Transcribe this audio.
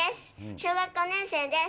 小学５年生です。